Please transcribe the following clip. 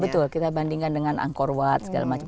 betul kita bandingkan dengan angkor wat segala macam